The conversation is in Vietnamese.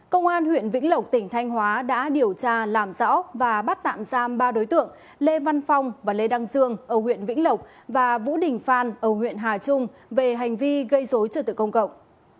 công an huyện vĩnh lộc tỉnh thanh hóa đã điều tra làm rõ và bắt tạm giam ba đối tượng lê văn phong và lê đăng dương ở huyện vĩnh lộc và vũ đình phan ở huyện hà trung về hành vi gây dối trật tự công cộng